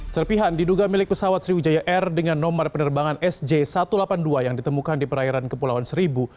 serpihan diduga milik pesawat sriwijaya air dengan nomor penerbangan sj satu ratus delapan puluh dua yang ditemukan di perairan kepulauan seribu